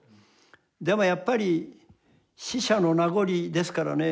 でもやっぱり死者の名残ですからねええ。